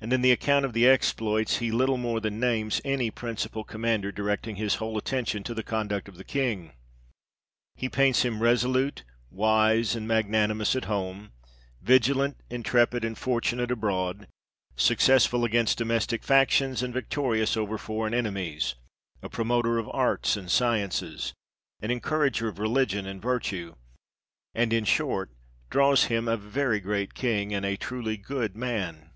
And in the account of the exploits, he little more than names any principal Commander, directing his whole attention to the conduct of the King. He paints him resolute, wise, and magnani mous at home, vigilant, intrepid, and fortunate abroad, successful against domestic factions, and victorious over foreign enemies, a promoter of arts and sciences, an encourager of religion and virtue, and in short, draws him a very great King, and a truly good man.